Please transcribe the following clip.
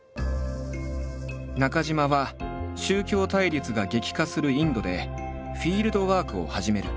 中島は宗教対立が激化するインドでフィールドワークを始める。